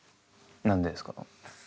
何でですか？